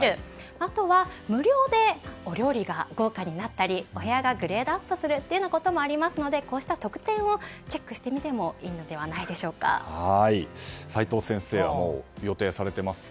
あとは、無料でお料理が豪華になったりお部屋がグレードアップするのもありますのでこうした特典をチェックしてみても齋藤先生は予定されていますか？